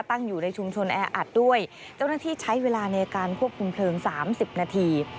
ตั้งอยู่ในชุมชนแออัดด้วยเจ้าหน้าที่ใช้เวลาในการควบคุมเพลิงสามสิบนาที